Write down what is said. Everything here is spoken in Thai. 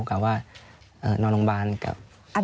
กับว่านอนโรงพยาบาลกับ